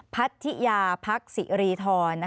พัทธิยาพักศิรีธร